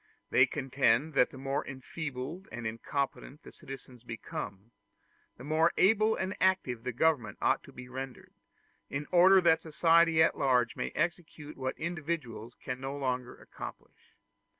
They contend that the more enfeebled and incompetent the citizens become, the more able and active the government ought to be rendered, in order that society at large may execute what individuals can no longer accomplish.